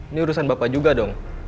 ini urusan bapak juga dong